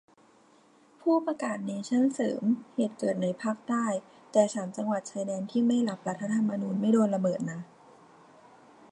ผู้ประกาศเนชั่นเสริม เหตุเกิดในภาคใต้ แต่สามจังหวัดชายแดนที่ไม่รับรัฐธรรมนูญไม่โดนระเบิดนะ